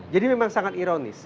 jadi memang sangat ironis